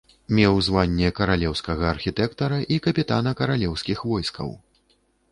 Меў званне каралеўскага архітэктара і капітана каралеўскіх войскаў.